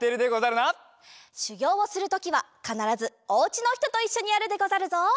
しゅぎょうをするときはかならずおうちのひとといっしょにやるでござるぞ。